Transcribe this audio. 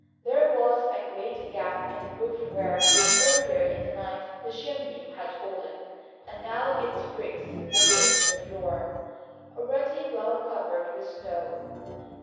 There was a great gap in the roof where, earlier in the night, the chimney had fallen, and now its bricks littered the floor, already well covered with snow.